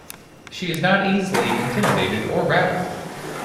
She is not easily intimidated or rattled.